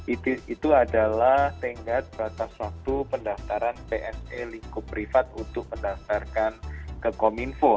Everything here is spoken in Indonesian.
itu adalah tenggat batas waktu pendaftaran pse lingkup privat untuk mendaftarkan ke kominfo